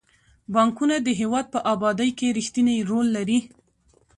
بانکونه د هیواد په ابادۍ کې رښتینی رول لري.